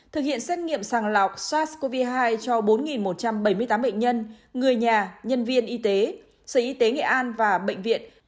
thực hiện xét nghiệm sàng lọc sars cov hai cho bốn một trăm bảy mươi tám bệnh nhân người nhà nhân viên y tế sở y tế nghệ an và bệnh viện